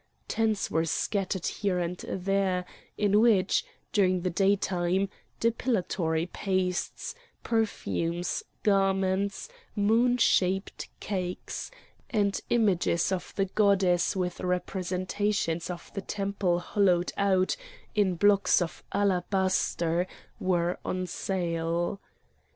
Tents were scattered here and there, in which, during the daytime, depilatory pastes, perfumes, garments, moon shaped cakes, and images of the goddess with representations of the temple hollowed out in blocks of alabaster, were on sale.